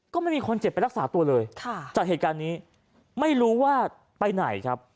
ก็ไม่มีคนเจ็บไปรักษาตัวเลยจากเหตุการณ์นี้ไม่รู้ว่าไปไหนครับ